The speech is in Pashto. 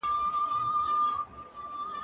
دا فکر له هغه مهم دی